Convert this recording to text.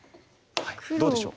どうでしょう？